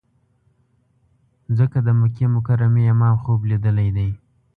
ځکه د مکې مکرمې امام خوب لیدلی دی.